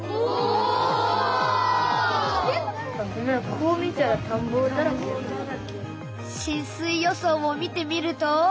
こう見たら浸水予想を見てみると。